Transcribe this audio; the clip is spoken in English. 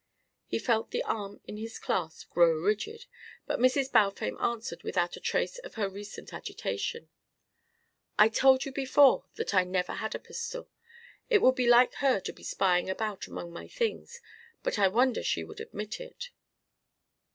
He felt the arm in his clasp grow rigid, but Mrs. Balfame answered without a trace of her recent agitation: "I told you before that I never had a pistol. It would be like her to be spying about among my things, but I wonder she would admit it."